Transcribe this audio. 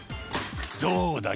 「どうだ！